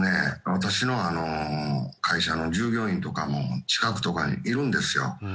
私の会社の従業員とかも近くとかにいるんですよ。